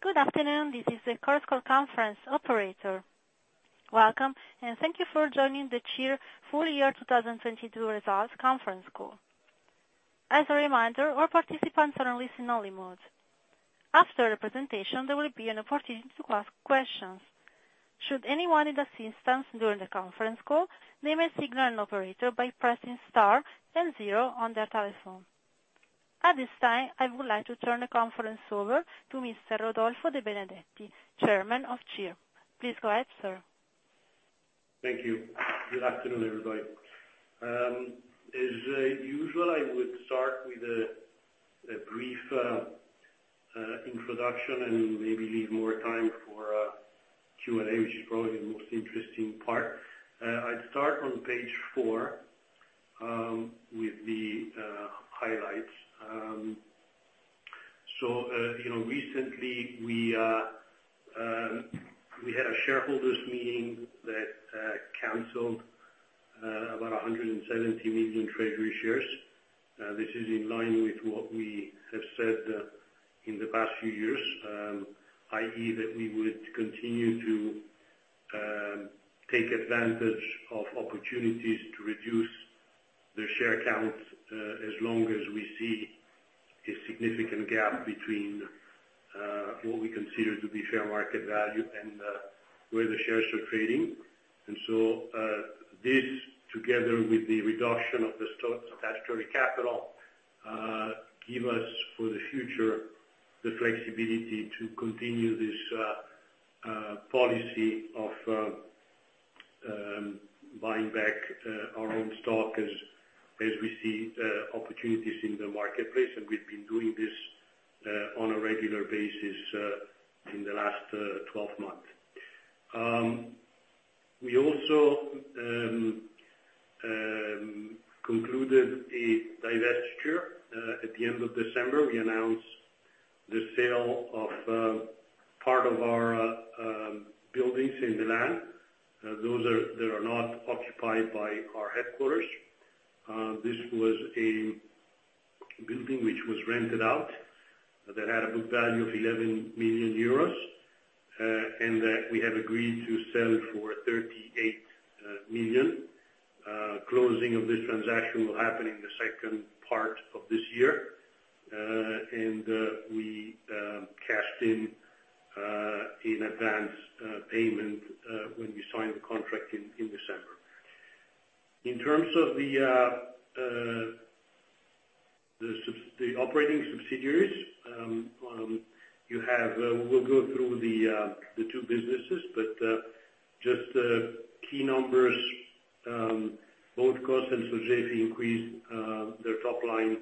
Good afternoon, this is the Chorus Call Conference operator. Welcome, and thank you for joining the CIR Full Year 2022 Results Conference Call. As a reminder, all participants are in listen-only mode. After the presentation, there will be an opportunity to ask questions. Should anyone need assistance during the conference call, they may signal an operator by pressing star and zero on their telephone. At this time, I would like to turn the conference over to Mr. Rodolfo De Benedetti, Chairman of CIR. Please go ahead, sir. Thank you. Good afternoon, everybody. As usual, I would start with a brief introduction and maybe leave more time for Q&A, which is probably the most interesting part. I'd start on page four with the highlights. Recently, we had a shareholders' meeting that canceled about 170 million treasury shares. This is in line with what we have said in the past few years, i.e., that we would continue to take advantage of opportunities to reduce the share count as long as we see a significant gap between what we consider to be fair market value and where the shares are trading. This, together with the reduction of the stock statutory capital, gives us for the future the flexibility to continue this policy of buying back our own stock as we see opportunities in the marketplace. We have been doing this on a regular basis in the last 12 months. We also concluded a divestiture at the end of December. We announced the sale of part of our buildings in Milan, those that are not occupied by our headquarters. This was a building which was rented out that had a book value of 11 million euros, and that we have agreed to sell for 38 million. Closing of this transaction will happen in the second part of this year. We cashed in an advance payment when we signed the contract in December. In terms of the operating subsidiaries, we will go through the two businesses, but just key numbers: both KOS and Sogefi increased their top line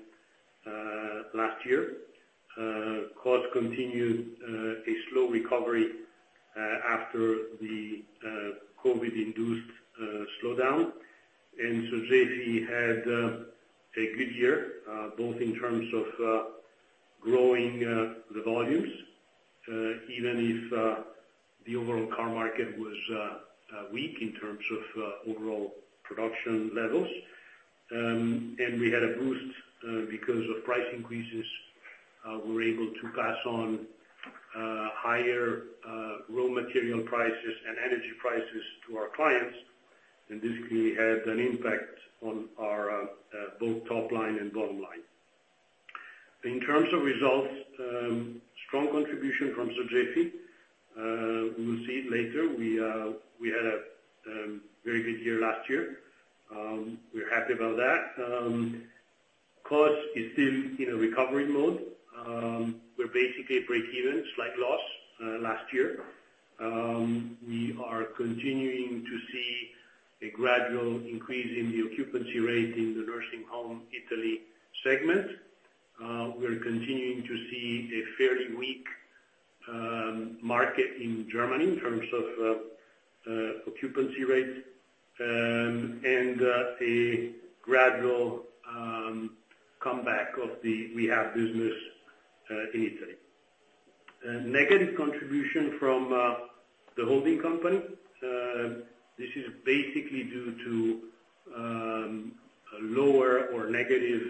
last year. KOS continued a slow recovery after the COVID-induced slowdown. Sogefi had a good year, both in terms of growing the volumes, even if the overall car market was weak in terms of overall production levels. We had a boost because of price increases. We were able to pass on higher raw material prices and energy prices to our clients. This clearly had an impact on both top line and bottom line. In terms of results, strong contribution from Sogefi. We will see it later. We had a very good year last year. We're happy about that. KOS is still in a recovery mode. We're basically break-even, slight loss last year. We are continuing to see a gradual increase in the occupancy rate in the nursing home Italy segment. We're continuing to see a fairly weak market in Germany in terms of occupancy rates and a gradual comeback of the rehab business in Italy. Negative contribution from the holding company. This is basically due to lower or negative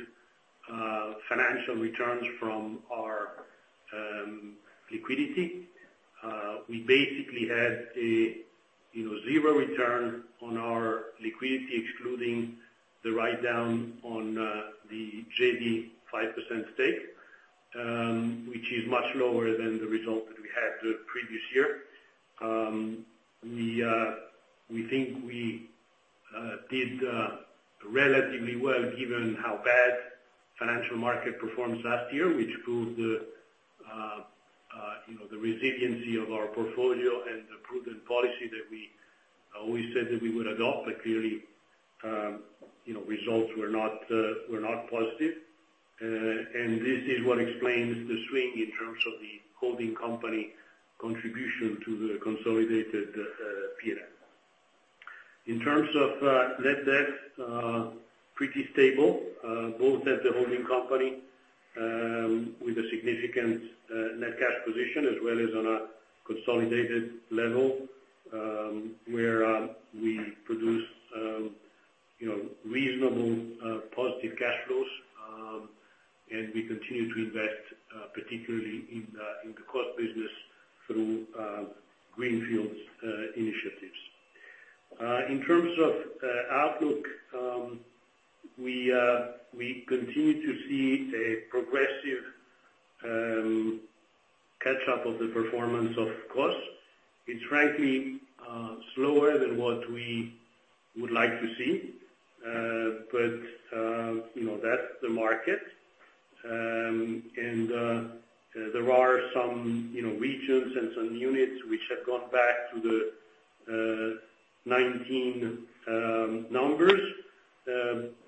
financial returns from our liquidity. We basically had a zero return on our liquidity, excluding the write-down on the GEDI 5% stake, which is much lower than the result that we had the previous year. We think we did relatively well given how bad the financial market performed last year, which proved the resiliency of our portfolio and the prudent policy that we always said that we would adopt. Clearly, results were not positive. This is what explains the swing in terms of the holding company contribution to the consolidated P&L. In terms of net debt, pretty stable, both at the holding company with a significant net cash position as well as on a consolidated level where we produce reasonable positive cash flows. We continue to invest, particularly in the KOS business through greenfield initiatives. In terms of outlook, we continue to see a progressive catch-up of the performance of KOS. Its frankly slower than what we would like to see, but that is the market. There are some regions and some units which have gone back to the 2019 numbers,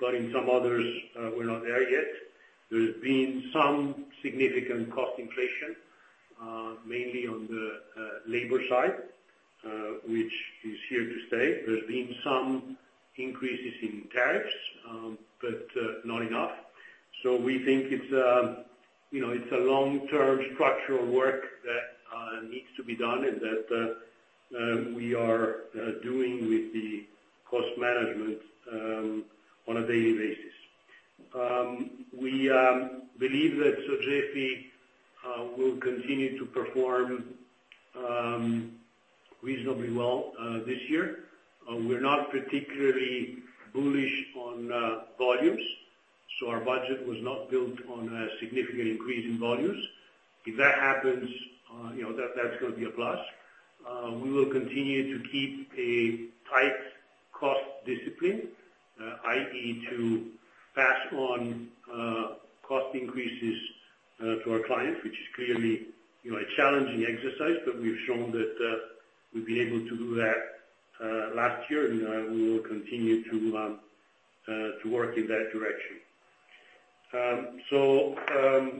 but in some others, we are not there yet. There has been some significant cost inflation, mainly on the labor side, which is here to stay. There have been some increases in tariffs, but not enough. We think it is a long-term structural work that needs to be done and that we are doing with the cost management on a daily basis. We believe that Sogefi will continue to perform reasonably well this year. We're not particularly bullish on volumes. Our budget was not built on a significant increase in volumes. If that happens, that's going to be a plus. We will continue to keep a tight cost discipline, i.e., to pass on cost increases to our clients, which is clearly a challenging exercise, but we've shown that we've been able to do that last year. We will continue to work in that direction. On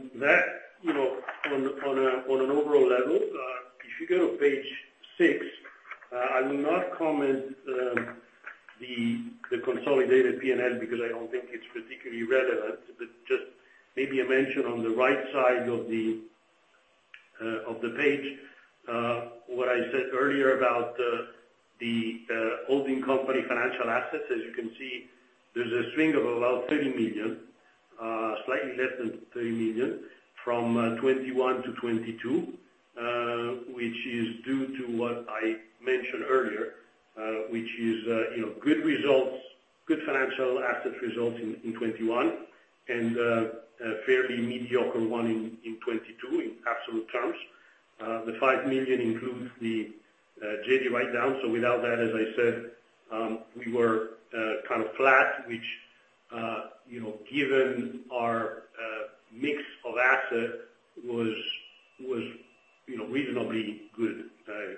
an overall level, if you go to page six, I will not comment on the consolidated P&L because I do not think it's particularly relevant, but just maybe a mention on the right side of the page, what I said earlier about the holding company financial assets. As you can see, there is a swing of about 30 million, slightly less than 30 million from 2021-2022, which is due to what I mentioned earlier, which is good results, good financial asset results in 2021, and a fairly mediocre one in 2022 in absolute terms. The 5 million includes the GEDI write-down. Without that, as I said, we were kind of flat, which given our mix of assets was reasonably good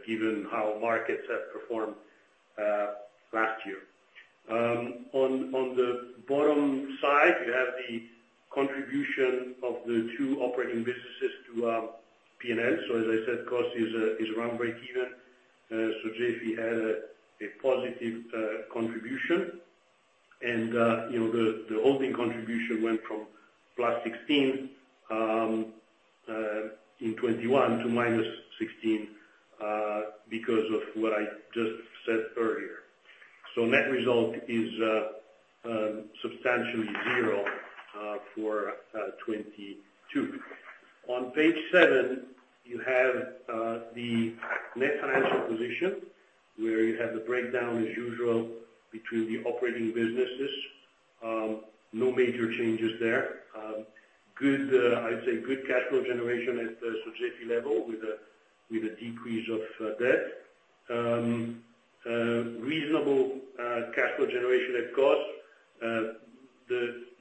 given how markets have performed last year. On the bottom side, you have the contribution of the two operating businesses to P&L. As I said, KOS is round-break even. Sogefi had a positive contribution. The holding contribution went from plus 16 million in 2021 to minus 16 million because of what I just said earlier. Net result is substantially zero for 2022. On page seven, you have the net financial position where you have the breakdown as usual between the operating businesses. No major changes there. I'd say good cash flow generation at the Sogefi level with a decrease of debt. Reasonable cash flow generation at KOS.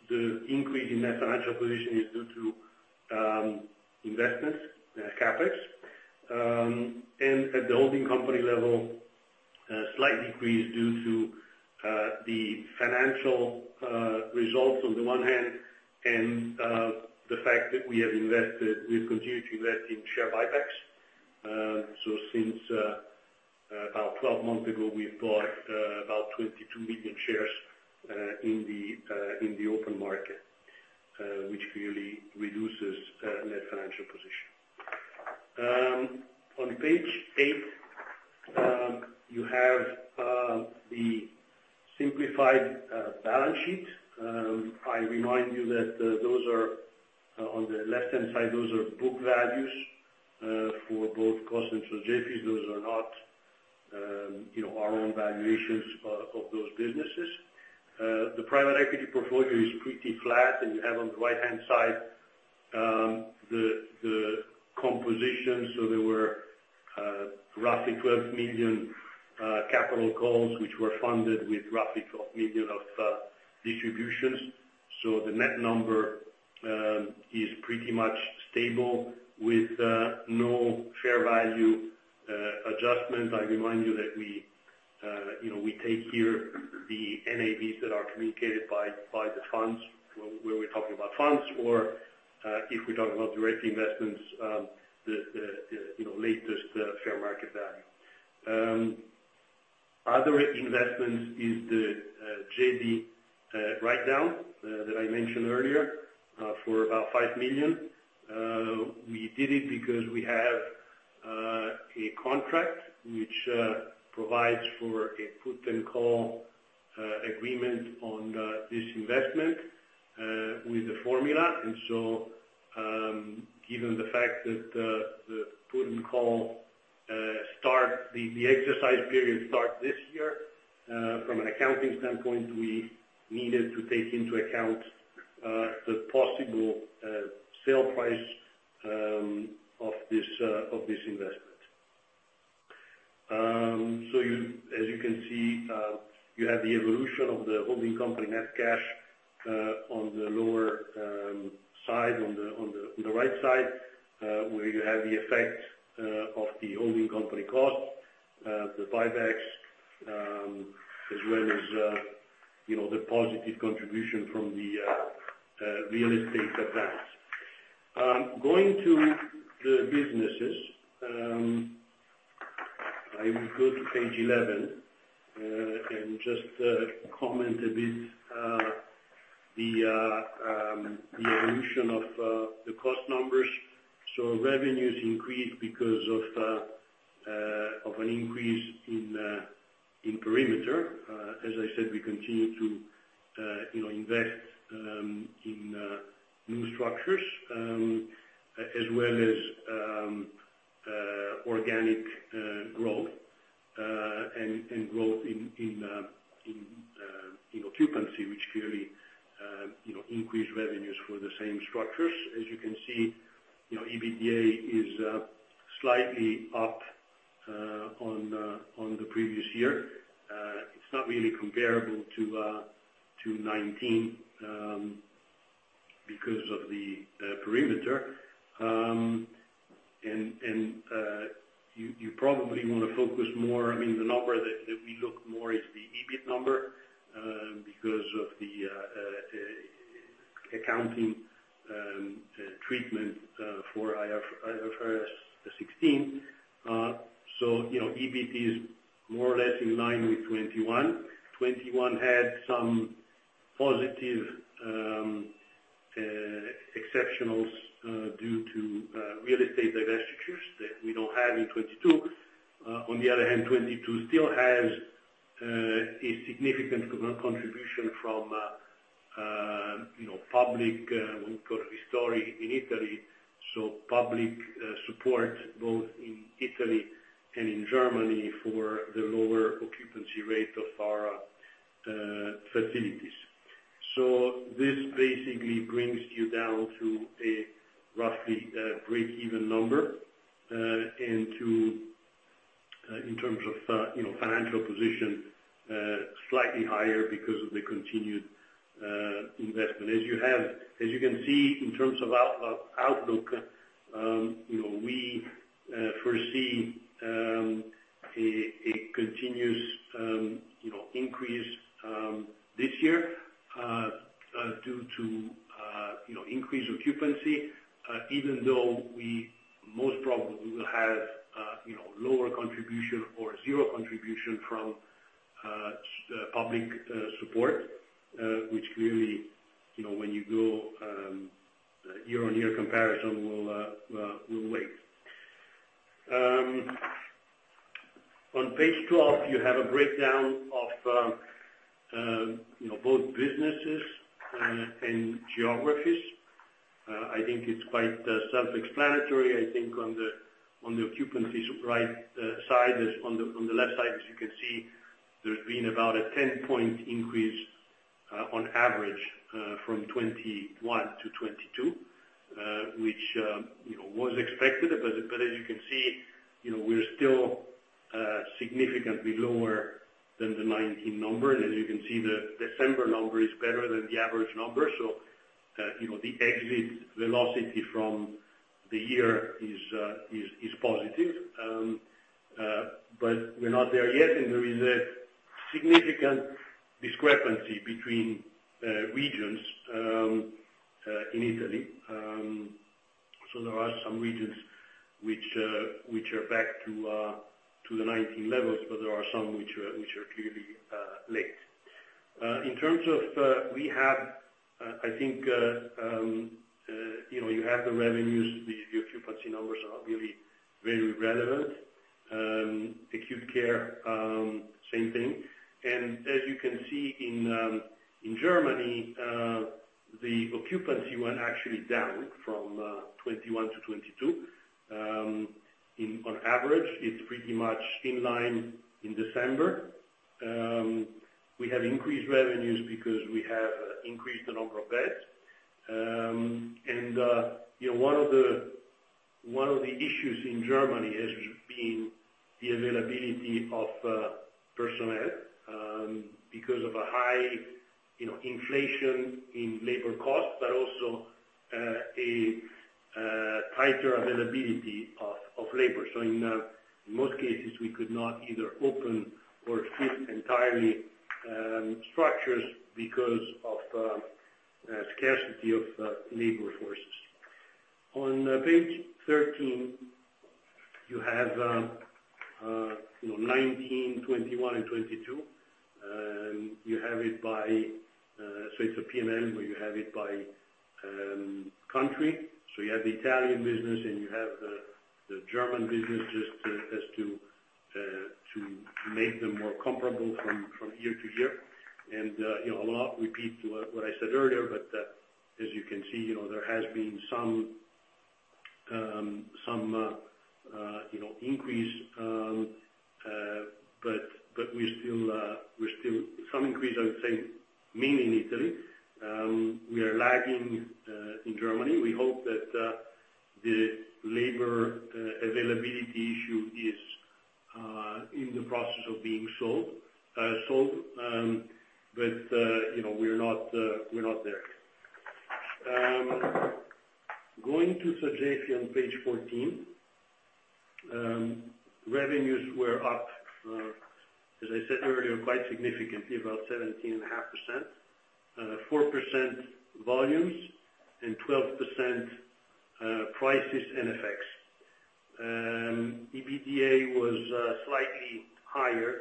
The increase in net financial position is due to investments, CapEx. At the holding company level, slight decrease due to the financial results on the one hand and the fact that we have invested. We have continued to invest in share buybacks. Since about 12 months ago, we've bought about 22 million shares in the open market, which clearly reduces net financial position. On page eight, you have the simplified balance sheet. I remind you that those are on the left-hand side, those are book values for both KOS and Sogefi. Those are not our own valuations of those businesses. The private equity portfolio is pretty flat. You have on the right-hand side the composition. There were roughly 12 million capital calls which were funded with roughly 12 million of distributions. The net number is pretty much stable with no fair value adjustment. I remind you that we take here the NAVs that are communicated by the funds where we're talking about funds or if we're talking about direct investments, the latest fair market value. Other investments is the GEDI write-down that I mentioned earlier for about 5 million. We did it because we have a contract which provides for a put-and-call agreement on this investment with a formula. Given the fact that the put-and-call exercise period starts this year, from an accounting standpoint, we needed to take into account the possible sale price of this investment. As you can see, you have the evolution of the holding company net cash on the lower side, on the right side, where you have the effect of the holding company cost, the buybacks, as well as the positive contribution from the real estate advance. Going to the businesses, I will go to page 11 and just comment a bit on the evolution of the cost numbers. Revenues increased because of an increase in perimeter. As I said, we continue to invest in new structures as well as organic growth and growth in occupancy, which clearly increased revenues for the same structures. As you can see, EBITDA is slightly up on the previous year. It's not really comparable to 2019 because of the perimeter. You probably want to focus more. I mean, the number that we look more is the EBIT number because of the accounting treatment for IFRS 16. EBIT is more or less in line with 2021. 2021 had some positive exceptionals due to real estate divestitures that we do not have in 2022. On the other hand, 2022 still has a significant contribution from public, when we go to the story in Italy. Public support both in Italy and in Germany for the lower occupancy rate of our facilities. This basically brings you down to a roughly break-even number and in terms of financial position, slightly higher because of the continued investment. As you can see, in terms of outlook, we foresee a continuous increase this year due to increased occupancy, even though we most probably will have lower contribution or zero contribution from public support, which clearly, when you go year-on-year comparison, will wait. On page 12, you have a breakdown of both businesses and geographies. I think it's quite self-explanatory. I think on the occupancy supply side, on the left side, as you can see, there's been about a 10-point increase on average from 2021-2022, which was expected. As you can see, we're still significantly lower than the 2019 number. As you can see, the December number is better than the average number. The exit velocity from the year is positive. We're not there yet. There is a significant discrepancy between regions in Italy. There are some regions which are back to the 2019 levels, but there are some which are clearly late. In terms of rehab, I think you have the revenues. The occupancy numbers are really very relevant. Acute care, same thing. As you can see in Germany, the occupancy went actually down from 2021-2022. On average, it is pretty much in line in December. We have increased revenues because we have increased the number of beds. One of the issues in Germany has been the availability of personnel because of high inflation in labor costs, but also a tighter availability of labor. In most cases, we could not either open or fill entirely structures because of scarcity of labor forces. On page 13, you have 2019, 2021, and 2022. You have it by, so it is a P&L where you have it by country. You have the Italian business, and you have the German business just to make them more comparable from year-to-year. A lot repeats what I said earlier, but as you can see, there has been some increase, but we're still some increase, I would say, mainly in Italy. We are lagging in Germany. We hope that the labor availability issue is in the process of being solved, but we're not there. Going to Sogefi on page 14, revenues were up, as I said earlier, quite significantly, about 17.5%, 4% volumes, and 12% prices and effects. EBITDA was slightly higher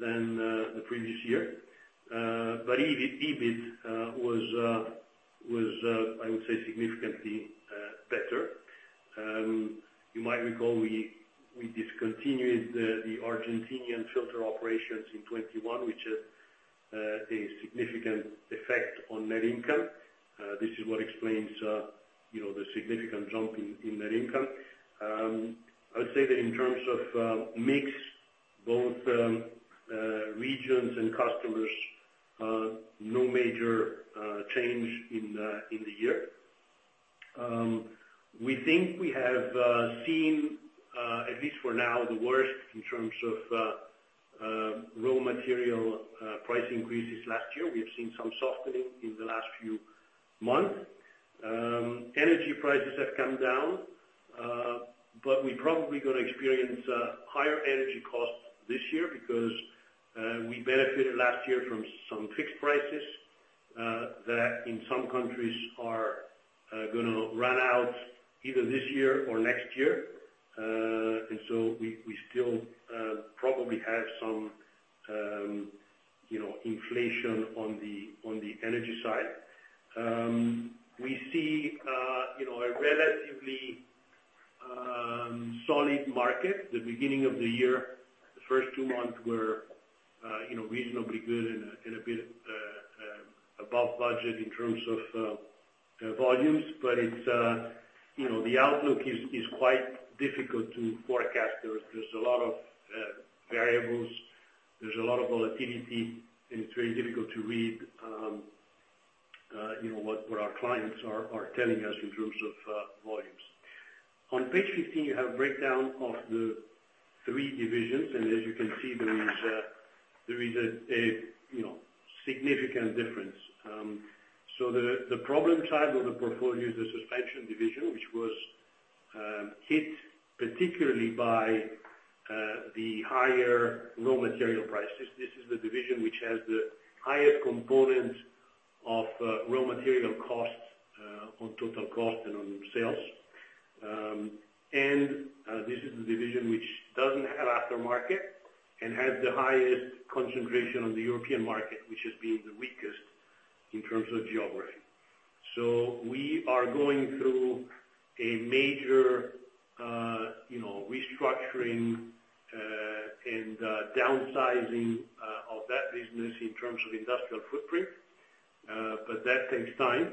than the previous year, but EBIT was, I would say, significantly better. You might recall we discontinued the Argentinian filter operations in 2021, which had a significant effect on net income. This is what explains the significant jump in net income. I would say that in terms of mix, both regions and customers, no major change in the year. We think we have seen, at least for now, the worst in terms of raw material price increases last year. We have seen some softening in the last few months. Energy prices have come down, but we're probably going to experience higher energy costs this year because we benefited last year from some fixed prices that in some countries are going to run out either this year or next year. We still probably have some inflation on the energy side. We see a relatively solid market. The beginning of the year, the first two months were reasonably good and a bit above budget in terms of volumes, but the outlook is quite difficult to forecast. There are a lot of variables. There is a lot of volatility, and it is very difficult to read what our clients are telling us in terms of volumes. On page 15, you have a breakdown of the three divisions, and as you can see, there is a significant difference. The problem child of the portfolio is the suspension division, which was hit particularly by the higher raw material prices. This is the division which has the highest component of raw material costs on total cost and on sales. This is the division which does not have aftermarket and has the highest concentration on the European market, which has been the weakest in terms of geography. We are going through a major restructuring and downsizing of that business in terms of industrial footprint, but that takes time.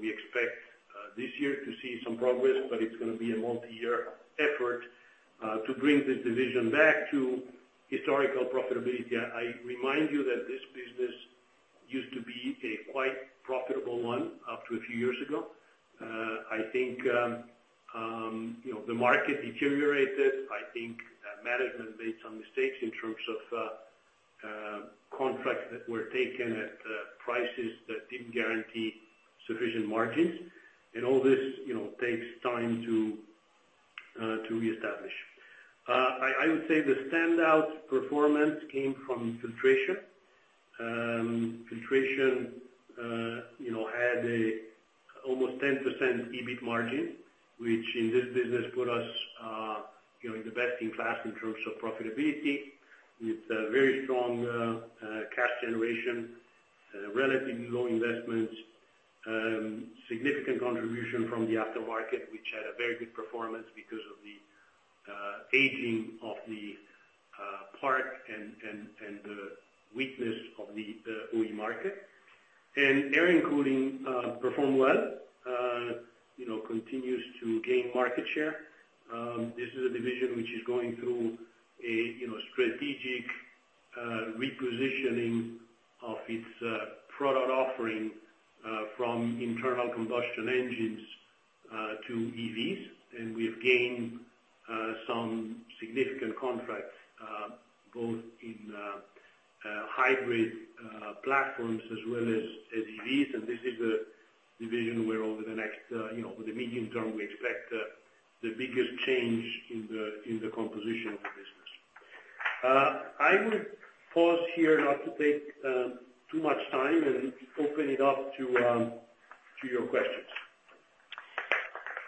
We expect this year to see some progress, but it is going to be a multi-year effort to bring this division back to historical profitability. I remind you that this business used to be a quite profitable one up to a few years ago. I think the market deteriorated. I think management made some mistakes in terms of contracts that were taken at prices that did not guarantee sufficient margins. All this takes time to reestablish. I would say the standout performance came from filtration. Filtration had an almost 10% EBIT margin, which in this business put us in the best in class in terms of profitability with very strong cash generation, relatively low investments, significant contribution from the aftermarket, which had a very good performance because of the aging of the park and the weakness of the OE market. Air and cooling performed well, continues to gain market share. This is a division which is going through a strategic repositioning of its product offering from internal combustion engines to EVs. We have gained some significant contracts both in hybrid platforms as well as EVs. This is the division where over the next medium term, we expect the biggest change in the composition of the business. I would pause here not to take too much time and open it up to your questions.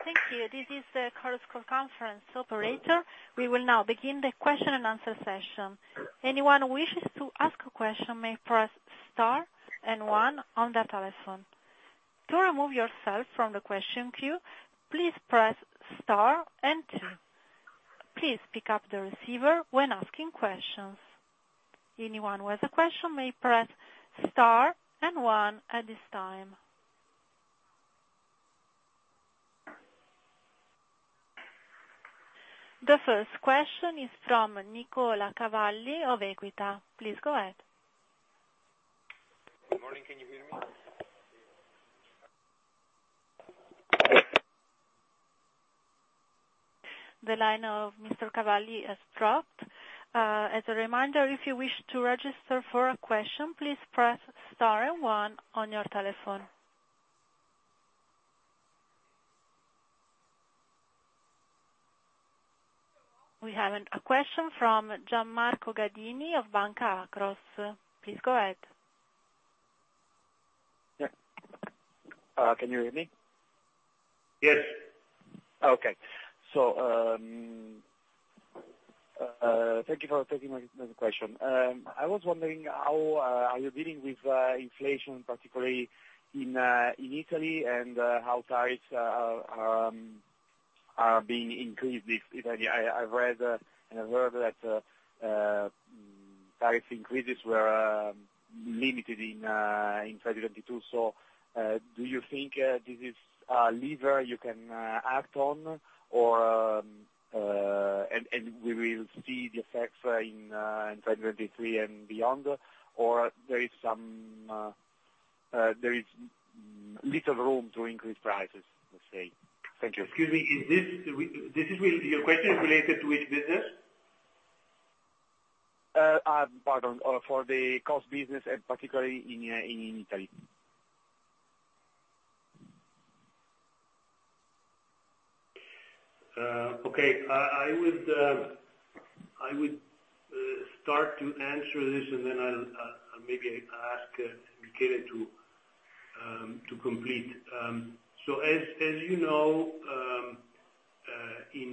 Thank you. This is the CIR Conference. Operator. We will now begin the question and answer session. Anyone who wishes to ask a question may press star and one on the telephone. To remove yourself from the question queue, please press star and two. Please pick up the receiver when asking questions. Anyone with a question may press star and one at this time. The first question is from Nicola Cavalli of Equita. Please go ahead. The line of Mr. Cavalli has dropped. As a reminder, if you wish to register for a question, please press star and one on your telephone. We have a question from Gian Marco Gadini of Banca Akros. Please go ahead. Yes. Can you hear me? Yes. Thank you for taking my question. I was wondering how are you dealing with inflation, particularly in Italy, and how tariffs are being increased, if any? I have read and I have heard that tariff increases were limited in 2022. Do you think this is a lever you can act on, and we will see the effects in 2023 and beyond, or there is little room to increase prices, let's say? Thank you. Excuse me. Is this your question related to which business? Pardon. For the KOS business, and particularly in Italy. Okay. I would start to answer this, and then maybe I'll ask Michele to complete. As you know, in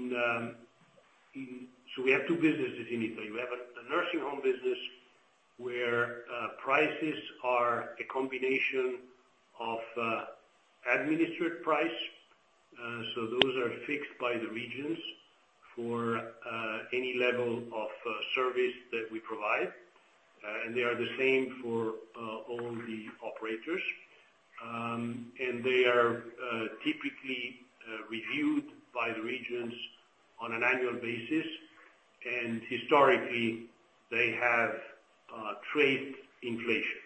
CIR we have two businesses in Italy. We have a nursing home business where prices are a combination of administered price. Those are fixed by the regions for any level of service that we provide. They are the same for all the operators. They are typically reviewed by the regions on an annual basis. Historically, they have traced inflation.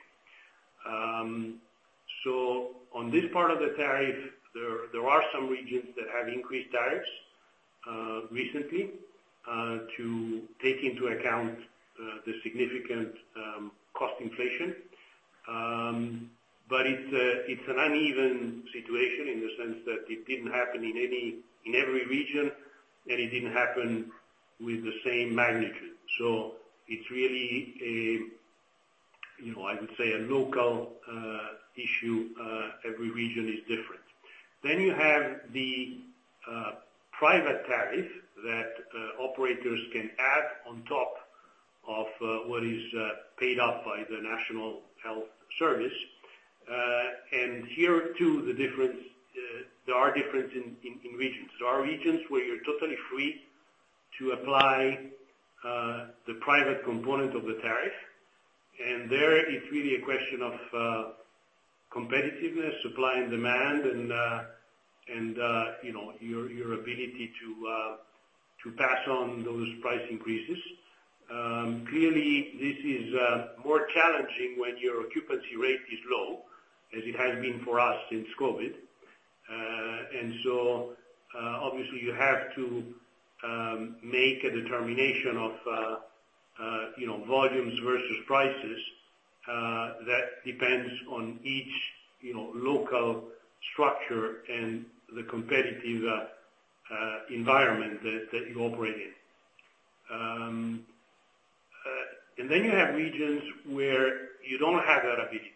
On this part of the tariff, there are some regions that have increased tariffs recently to take into account the significant cost inflation. It is an uneven situation in the sense that it did not happen in every region, and it did not happen with the same magnitude. It is really, I would say, a local issue. Every region is different. You have the private tariff that operators can add on top of what is paid out by the National Health Service. Here, too, there are differences in regions. There are regions where you are totally free to apply the private component of the tariff. There, it is really a question of competitiveness, supply and demand, and your ability to pass on those price increases. Clearly, this is more challenging when your occupancy rate is low, as it has been for us since COVID. Obviously, you have to make a determination of volumes versus prices that depends on each local structure and the competitive environment that you operate in. You also have regions where you do not have that ability.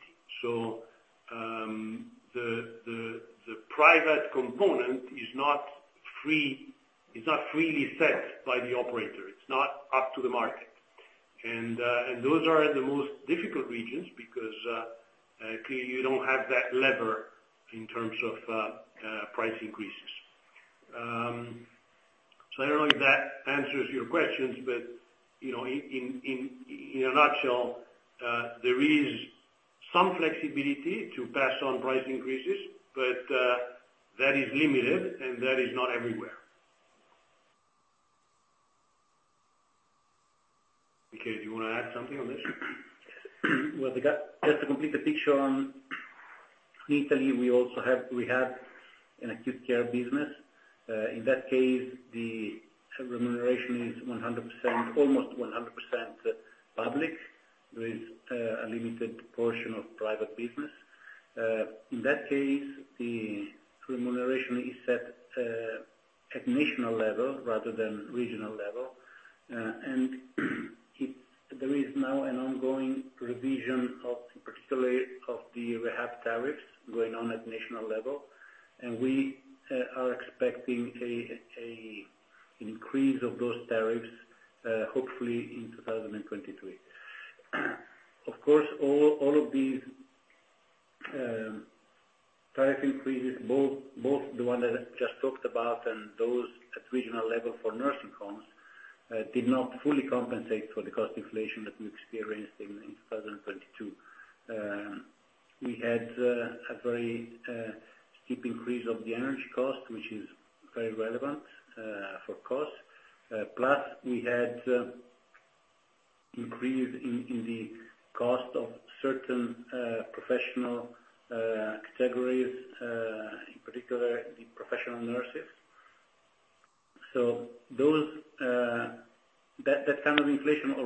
The private component is not freely set by the operator. It is not up to the market. Those are the most difficult regions because you do not have that lever in terms of price increases. I do not know if that answers your questions, but in a nutshell, there is some flexibility to pass on price increases, but that is limited, and that is not everywhere. Michele, do you want to add something on this? Just to complete the picture on Italy, we have an acute care business. In that case, the remuneration is almost 100% public. There is a limited portion of private business. In that case, the remuneration is set at national level rather than regional level. There is now an ongoing revision of the rehab tariffs going on at national level, and we are expecting an increase of those tariffs, hopefully in 2023. Of course, all of these tariff increases, both the one that I just talked about and those at regional level for nursing homes, did not fully compensate for the cost inflation that we experienced in 2022. We had a very steep increase of the energy cost, which is very relevant for cost. Plus, we had an increase in the cost of certain professional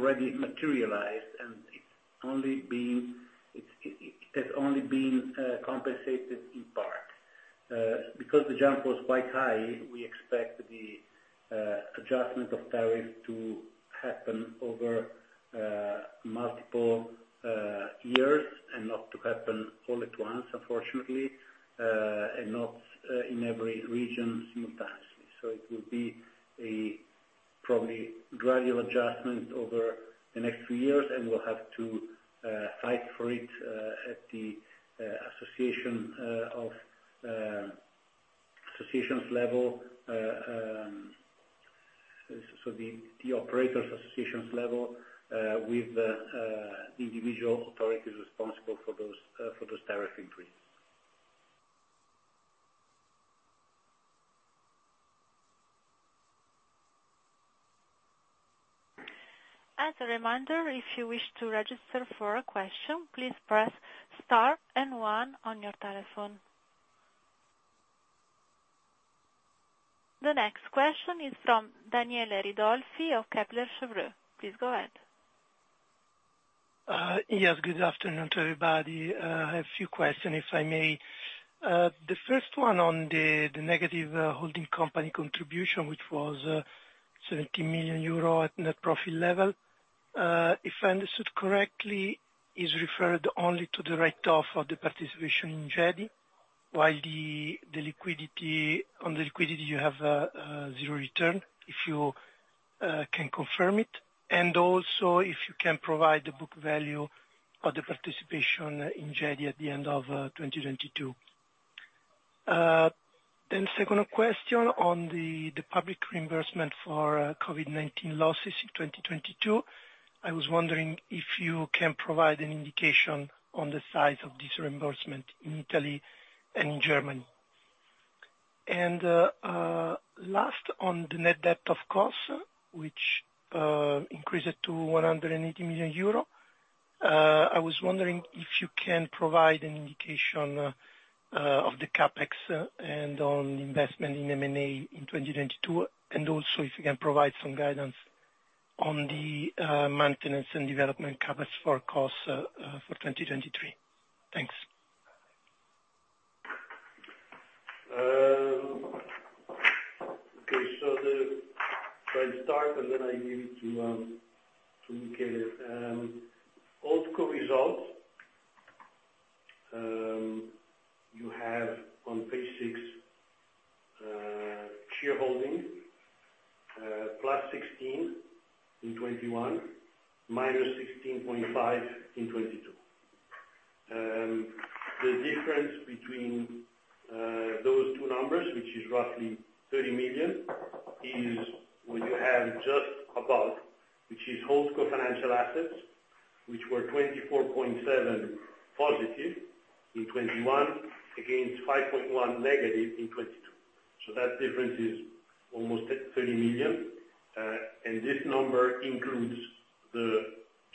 categories, in particular, the professional nurses. That kind of inflation already materialized, and it has only been compensated in part. Because the jump was quite high, we expect the adjustment of tariffs to happen over multiple years and not to happen all at once, unfortunately, and not in every region simultaneously. It will be a probably gradual adjustment over the next few years, and we'll have to fight for it at the association level, so the operators' associations level, with the individual authorities responsible for those tariff increases. As a reminder, if you wish to register for a question, please press star and one on your telephone. The next question is from Daniele Ridolfi of Kepler Cheuvreux. Please go ahead. Yes. Good afternoon to everybody. I have a few questions, if I may. The first one on the negative holding company contribution, which was 17 million euro at net profit level, if I understood correctly, is referred only to the write-off of the participation in GEDI, while on the liquidity, you have zero return if you can confirm it, and also if you can provide the book value of the participation in GEDI at the end of 2022. The second question on the public reimbursement for COVID-19 losses in 2022. I was wondering if you can provide an indication on the size of this reimbursement in Italy and in Germany. Last, on the net debt of CIR, which increased to 180 million euro, I was wondering if you can provide an indication of the CapEx and on investment in M&A in 2022, and also if you can provide some guidance on the maintenance and development CapEx for KOS for 2023. Thanks. Okay. I'll start, and then I give it to Michele. HoldCo results, you have on page 6, shareholding plus 16 in 2021, minus 16.5 in 2022. The difference between those two numbers, which is roughly 30 million, is what you have just above, which is HoldCo financial assets, which were 24.7 positive in 2021 against 5.1 negative in 2022. That difference is almost 30 million. This number includes the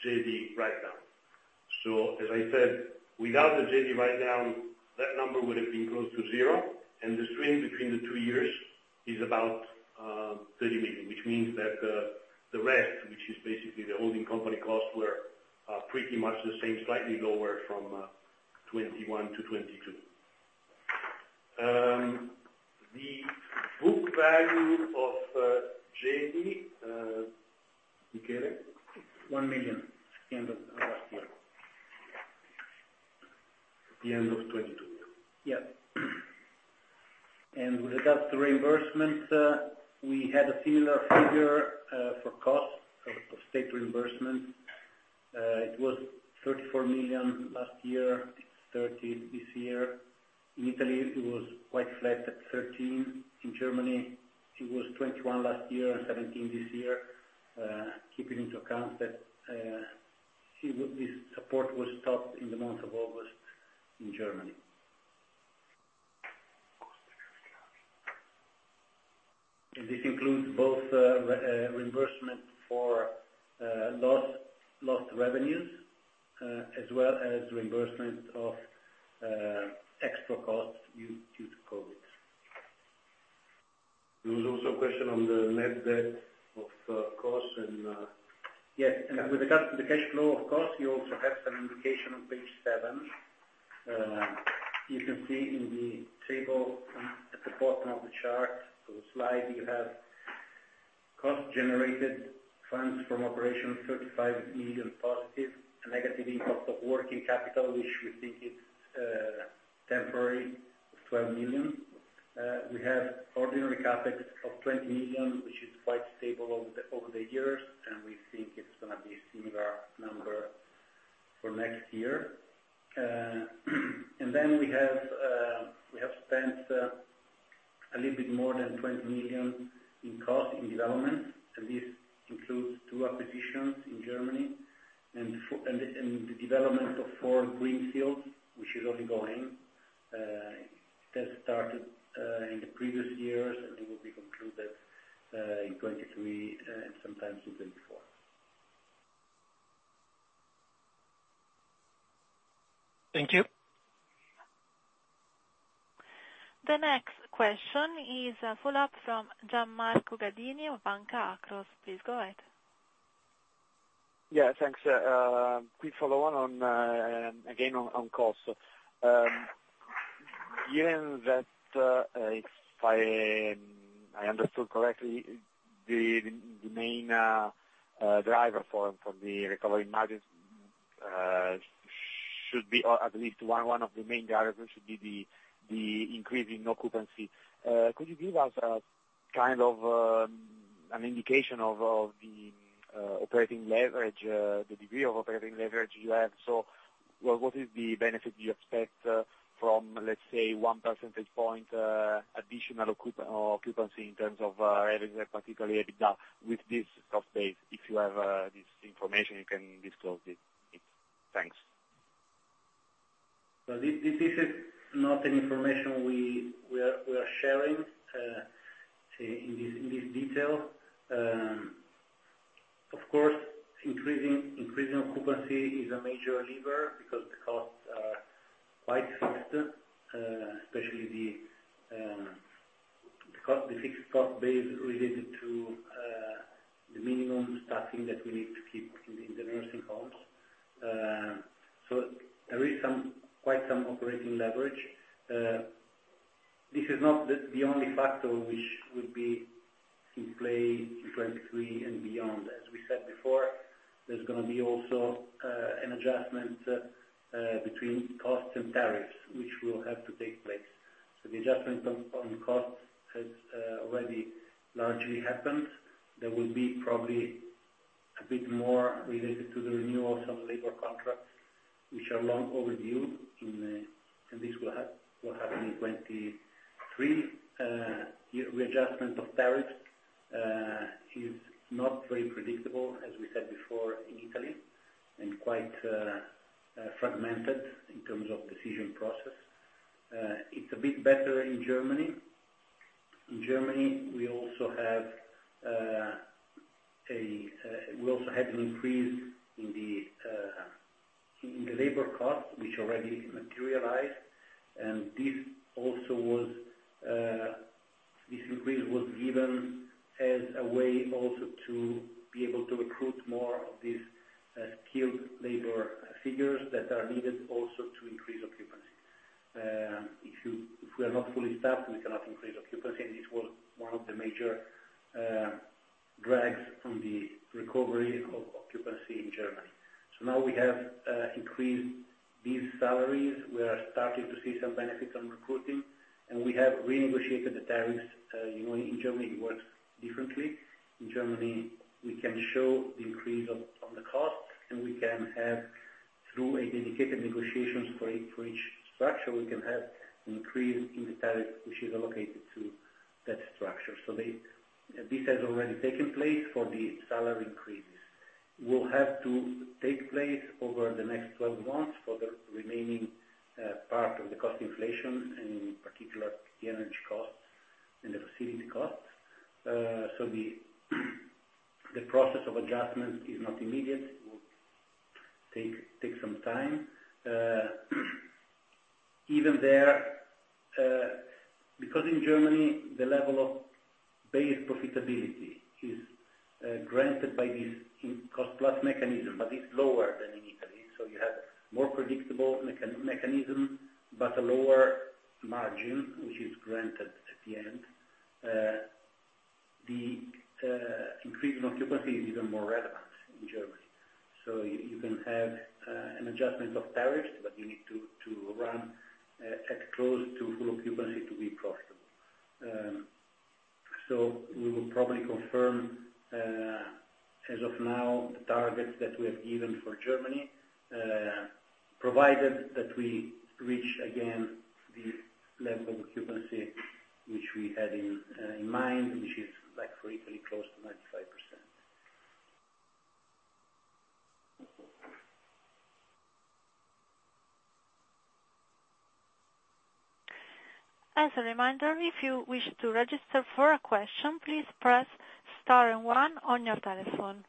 GEDI write-down. As I said, without the GEDI write-down, that number would have been close to zero. The swing between the two years is about 30 million, which means that the rest, which is basically the holding company costs, were pretty much the same, slightly lower from 2021 to 2022. The book value of GEDI, Michele? EUR 1 million at the end of last year, at the end of 2022. Yeah. With that reimbursement, we had a similar figure for cost of state reimbursement. It was 34 million last year. It is 30 million this year. In Italy, it was quite flat at 13 million. In Germany, it was 21 million last year and 17 million this year, keeping into account that this support was stopped in the month of August in Germany. This includes both reimbursement for lost revenues as well as reimbursement of extra costs due to COVID. There was also a question on the net debt of KOS. Yes. With regards to the cash flow, of course, you also have some indication on page 7. You can see in the table at the bottom of the chart of the slide, you have KOS-generated funds from operations, 35 million positive, a negative income of working capital, which we think is temporary, of 12 million. We have ordinary CapEx of 20 million, which is quite stable over the years, and we think it's going to be a similar number for next year. We have spent a little bit more than 20 million in cost in development. This includes two acquisitions in Germany and the development of four greenfields, which is ongoing. It has started in the previous years, and it will be concluded in 2023 and sometimes even before. Thank you. The next question is a follow-up from Gian Marco Gadini of Banca Akros. Please go ahead. Yeah. Thanks. Quick follow-up on, again, on KOS. Given that, if I understood correctly, the main driver for the recovery margin should be at least one of the main drivers should be the increase in occupancy. Could you give us kind of an indication of the operating leverage, the degree of operating leverage you have? What is the benefit you expect from, let's say, 1 percentage point additional occupancy in terms of revenue, particularly with this cost base? If you have this information, you can disclose it. Thanks. This is not the information we are sharing in this detail. Of course, increasing occupancy is a major lever because the costs are quite fixed, especially the fixed cost base related to the minimum staffing that we need to keep in the nursing homes. There is quite some operating leverage. This is not the only factor which would be in play in 2023 and beyond. As we said before, there is going to be also an adjustment between increase in the tariff which is allocated to that structure. This has already taken place for the salary increases. It will have to take place over the next 12 months for the remaining part of the cost inflation, and in particular, the energy costs and the facility costs. The process of adjustment is not immediate. It will take some time. Even there, because in Germany, the level of base profitability is granted by this cost-plus mechanism, but it is lower than in Italy. You have a more predictable mechanism, but a lower margin, which is granted at the end. The increase in occupancy is even more relevant in Germany. You can have an adjustment of tariffs, but you need to run at close to full occupancy to be profitable. We will probably confirm, as of now, the targets that we have given for Germany, provided that we reach again the level of occupancy which we had in mind, which is, like for Italy, close to 95%. As a reminder, if you wish to register for a question, please press star and one on your telephone.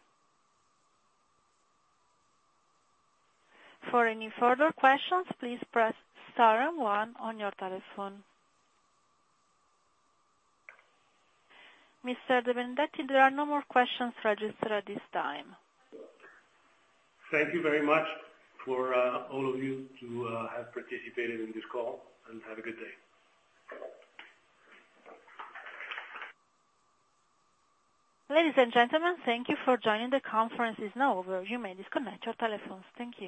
For any further questions, please press star and one on your telephone. Mr. De Benedetti, there are no more questions registered at this time. Thank you very much for all of you to have participated in this call, and have a good day. Ladies and gentlemen, thank you for joining the conference. It's now over. You may disconnect your telephones. Thank you.